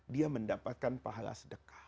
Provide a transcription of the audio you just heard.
dia mendapatkan pahala sedekah